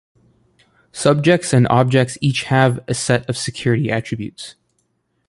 Subjects and objects each have a set of security attributes.